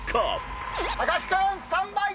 木君スタンバイ